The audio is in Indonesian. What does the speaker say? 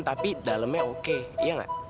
tapi dalemnya oke iya gak